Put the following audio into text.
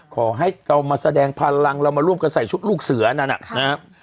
ขอให้เรามาแสดงพลังเรามาร่วมกันใส่ชุดลูกเสือนั่นนะครับ